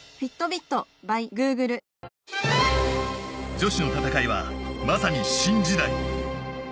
女子の戦いはまさに新時代。